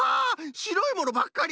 しろいものばっかり！